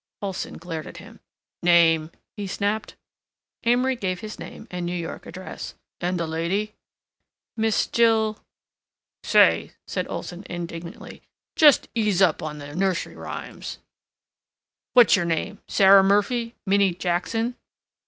Olson glared at him. "Name?" he snapped. Amory gave his name and New York address. "And the lady?" "Miss Jill—" "Say," cried Olson indignantly, "just ease up on the nursery rhymes. What's your name? Sarah Murphy? Minnie Jackson?"